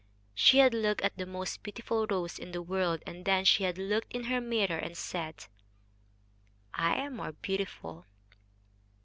She had looked at the most beautiful rose in the world, and then she had looked in her mirror and said, "I am more beautiful."